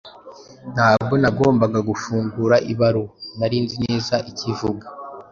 Ntabwo nagombaga gufungura ibaruwa. Nari nzi neza icyo ivuga.